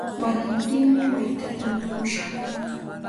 Warantimi waytata mikushaq.